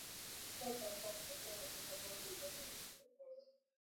Kichaa cha mbwa hutokea katika kaunti zote nchini Kenya